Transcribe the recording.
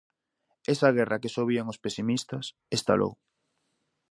Esa guerra que só "vían" os pesimistas, estalou.